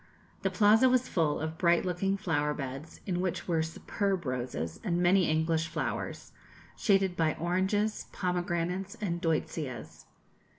The Plaza was full of bright looking flower beds, in which were superb roses, and many English flowers, shaded by oranges, pomegranates, and deutzias.